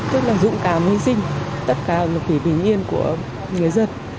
tức là dũng cảm hy sinh tất cả một tỷ bình yên của người dân